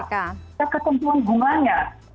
kita ketentuan bunganya